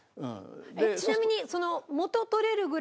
ちなみに。